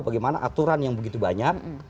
bagaimana aturan yang begitu banyak